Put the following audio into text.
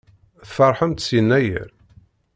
Tfeṛḥemt s Yennayer?